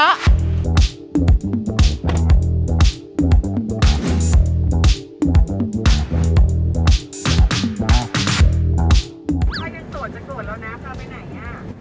ก็ยังโสดจะโสดแล้วนะพาไปไหนอ่ะ